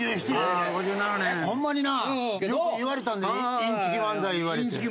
ホンマになよう言われたインチキ漫才言われて。